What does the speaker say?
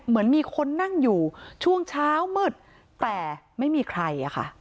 เหมือนมีคนนั่งอยู่ช่วงเช้ามืดแต่ไม่มีใครอะค่ะ